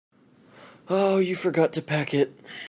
You forgot to pack it.